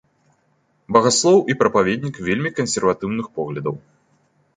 Багаслоў і прапаведнік вельмі кансерватыўных поглядаў.